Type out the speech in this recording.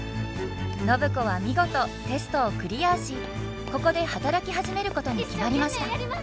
暢子は見事テストをクリアしここで働き始めることに決まりました。